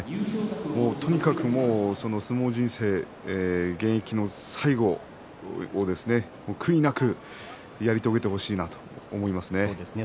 とにかく相撲人生、現役の最後悔いなくやり遂げてほしいなと思いますね。